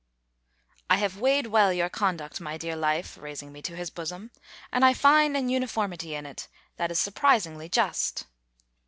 "I have weighed well your conduct, my dear life," raising me to his bosom; "and I find an uniformity in it, that is surprisingly just."